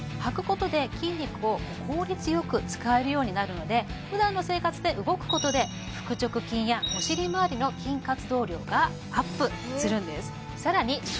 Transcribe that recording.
ことで筋肉を効率良く使えるようになるのでふだんの生活で動くことで腹直筋やお尻まわりの筋活動量がアップするんです